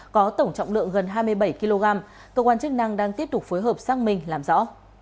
có tổng trọng lượng gần hai mươi bảy kg cơ quan chức năng đang tiếp tục phối hợp xác minh làm rõ